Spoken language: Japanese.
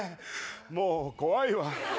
もう怖いわ。